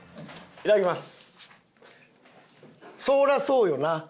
いただきます。